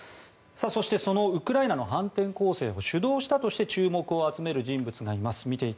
そして、そのウクライナの反転攻勢を主導したとして注目を集める人物がいます。